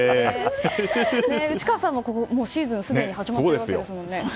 内川さんもシーズン、すでに始まっていますもんね。